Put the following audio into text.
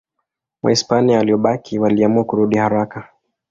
Wahispania waliobaki waliamua kurudi haraka.